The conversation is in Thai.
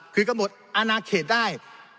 คือกระบบอนาคตใหกล้ได้